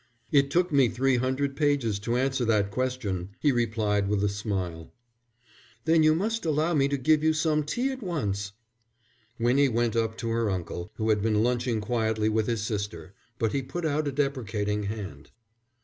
"It took me three hundred pages to answer that question," he replied, with a smile. "Then you must allow me to give you some tea at once." Winnie went up to her uncle, who had been lunching quietly with his sister, but he put out a deprecating hand.